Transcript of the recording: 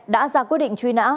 đã ra quyết định truy nã